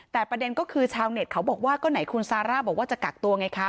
แต่ประเด็นก็คือชาวเน็ตเขาบอกว่าก็ไหนคุณซาร่าบอกว่าจะกักตัวไงคะ